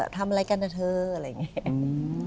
ทำอะไรกันนะเธออะไรอย่างนี้